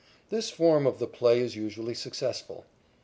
This form of the play is usually successful.